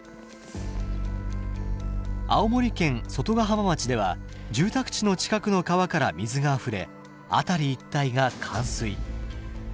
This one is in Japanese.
青森県外ヶ浜町では住宅地の近くの川から水があふれ辺り一帯が冠水。